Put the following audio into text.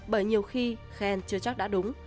bởi nhiều khi khen chưa chắc đã đúng